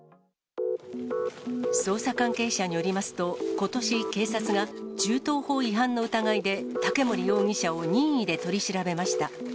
捜査関係者によりますと、ことし警察が、銃刀法違反の疑いで、竹森容疑者を任意で取り調べました。